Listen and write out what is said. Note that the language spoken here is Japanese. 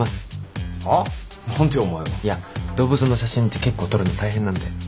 いや動物の写真って結構撮るの大変なんで。